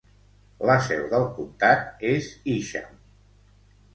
La seu del comtat és Hysham.